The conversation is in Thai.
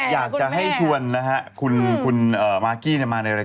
อยากจะคุยกับเขาหน่อย